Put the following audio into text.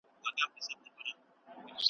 هره ورځ حلالیدل غوايی پسونه .